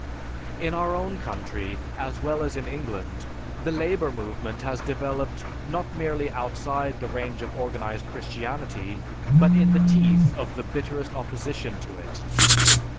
In our own country, as well as in England, the labor movement has developed not merely outside the range of organized Christianity, but in the teeth of the bitterest opposition to it.